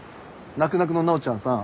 なくなくの奈緒ちゃんさん。